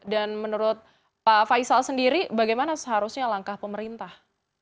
dan menurut pak faisal sendiri bagaimana seharusnya langkah pemerintah